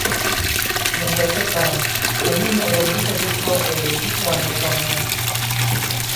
อย่างไรก็ตาม ฉันไม่มีอารมณ์ที่จะวิเคราะห์หรือวิจารณ์ในตอนนั้น